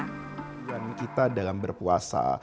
kebijakan kita dalam berpuasa